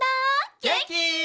げんき？